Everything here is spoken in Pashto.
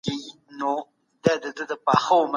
موږ يو بل ته ځای ورکوو.